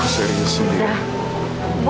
aku serius indira